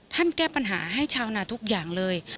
แก้ปัญหาให้ชาวนาทุกอย่างเลย